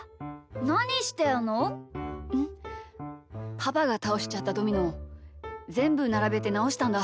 パパがたおしちゃったドミノぜんぶならべてなおしたんだ。